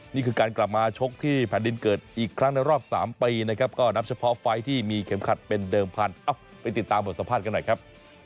นี่คือการกลับมาชกที่แผ่นดินเกิดอีกครั้งในรอบ๓ปีนะครับก็นับเฉพาะไฟล์ที่มีเข็มขัดเป็นเดิมพันธุ์ไปติดตามบทสัมภาษณ์กันหน่อยครับ